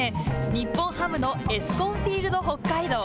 日本ハムのエスコンフィールド北海道。